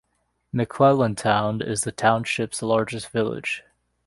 McClellandtown is the township's largest village.